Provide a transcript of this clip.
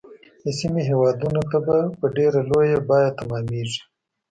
د سیمې هیوادونو ته به په ډیره لویه بیعه تمامیږي.